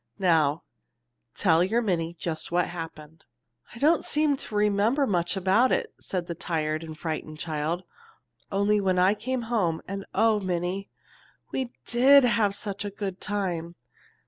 Now tell your Minnie just what happened." "I don't seem to be able to remember much about it," said the tired and frightened child; "only when I came home, and oh, Minnie, we did have such a good time!